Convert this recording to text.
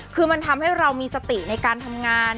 คือมันทำให้เรามีสติในการทำงาน